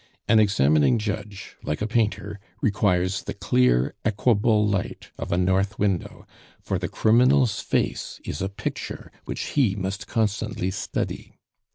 An examining judge, like a painter, requires the clear equable light of a north window, for the criminal's face is a picture which he must constantly study.